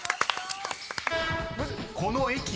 ［この駅は？］